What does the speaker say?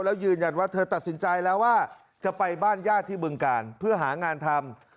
แล้วยืนยันว่าเธอตัดสินใจแล้วว่าจะไปบ้านญาติที่บึงการเพื่อหางานทำ